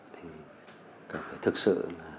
thì cần phải thực sự